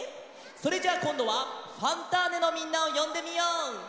それじゃあこんどは「ファンターネ！」のみんなをよんでみよう！